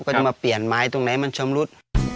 ก็จะมาเปลี่ยนไม้ตรงไหนมันชำรุด